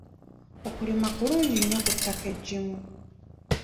Okulima kulungi nnyo ku ttaka eggimu.